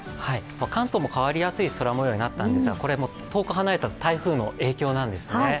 関東も変わりやすい空もようになったんですがこれも遠く離れた台風の影響なんですね。